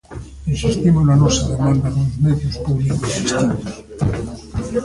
Insistimos na nosa demanda duns medios públicos distintos.